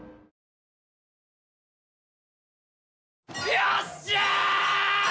よっしゃ！